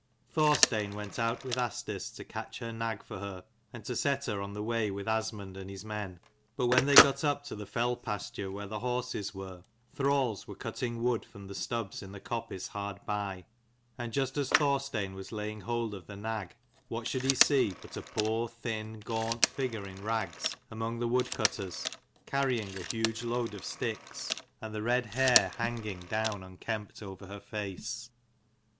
Thorstein went out with Asdis to catch |her nag for her, and to set her on the way with Asmund and his men. But when they got up to the fell pasture where the horses were, thralls were cutting wood from the stubs in the coppice hard by. And just as Thorstein was laying hold of the nag, what should he see but a poor, thin, gaunt figure in rags, among the wood cutters, carrying a huge load of sticks, and the red hair hanging 164 down unkempt over her face.